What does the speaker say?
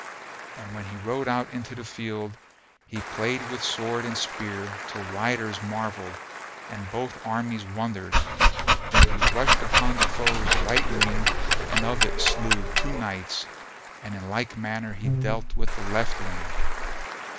And when he rode out into the field he played with sword and spear till riders marvelled and both armies wondered; then he rushed upon the foe's right wing and of it slew two knights and in like manner he dealt with the left wing.